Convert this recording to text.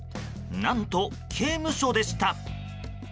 何と、刑務所でした。